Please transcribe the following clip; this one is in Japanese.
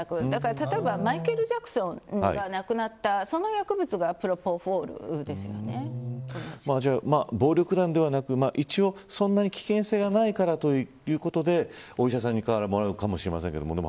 例えばマイケル・ジャクソンが亡くなったその薬物が暴力団ではなく一応、そんなに危険性がないからということでお医者さんからもらうかもしれませんけれども。